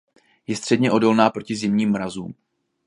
Je středně odolná proti zimním mrazům.